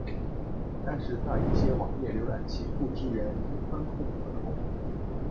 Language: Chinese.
但是在一些网页浏览器不支援零宽空格的功能。